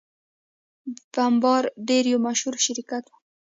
بمبارډیر یو مشهور شرکت دی.